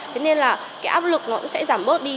thế nên là cái áp lực nó cũng sẽ giảm bớt đi